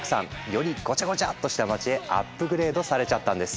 よりごちゃごちゃっとした街へアップグレードされちゃったんです。